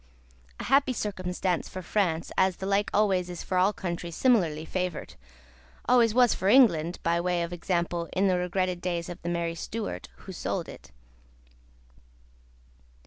A happy circumstance for France, as the like always is for all countries similarly favoured! always was for England (by way of example), in the regretted days of the merry Stuart who sold it.